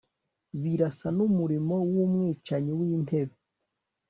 birasa n'umurimo w'umwicanyi w'intete